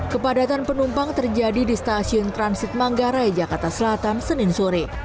kepadatan penumpang terjadi di stasiun transit manggarai jakarta selatan senin sore